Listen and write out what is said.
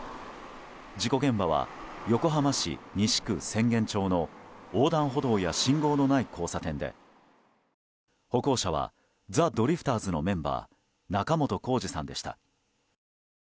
事故現場は横浜市西区浅間町の横断歩道や信号のない交差点で歩行者はザ・ドリフターズのメンバー仲本工事さんでした。